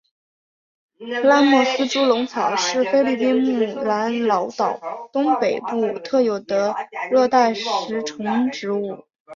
拉莫斯猪笼草是菲律宾棉兰老岛东北部特有的热带食虫植物。